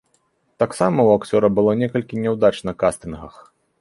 Таксама ў акцёра было некалькі няўдач на кастынгах.